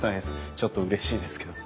ちょっとうれしいですけど。